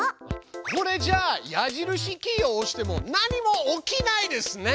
これじゃあ矢印キーを押しても何も起きないですね。